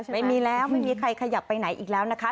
ไม่มีแล้วไม่มีใครขยับไปไหนอีกแล้วนะคะ